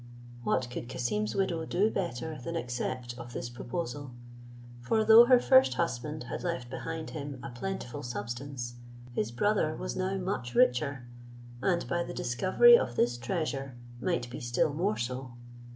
What could Cassim's widow do better than accept of this proposal? For though her first husband had left behind him a plentiful substance, his brother was now much richer, and by the discovery of this treasure might be still more so.